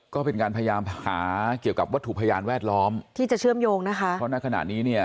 ก็เป็นการพยายามหาเกี่ยวกับวัตถุพยานแวดล้อมที่จะเชื่อมโยงนะคะ